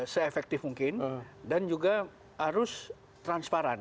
se efektif mungkin dan juga harus transparan